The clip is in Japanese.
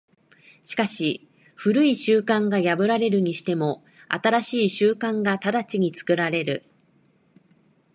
しかし旧い習慣が破られるにしても、新しい習慣が直ちに作られる。